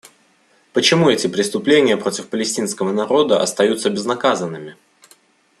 Почему эти преступления против палестинского народа остаются безнаказанными?